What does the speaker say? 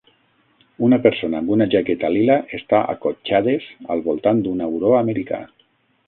Una persona amb una jaqueta lila està acotxades al voltant d'un auró americà